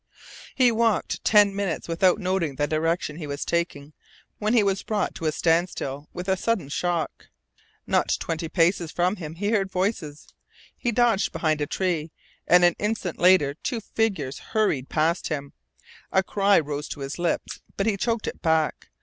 He walked ten minutes without noting the direction he was taking when he was brought to a standstill with a sudden shock. Not twenty paces from him he heard voices. He dodged behind a tree, and an instant later two figures hurried past him. A cry rose to his lips, but he choked it back.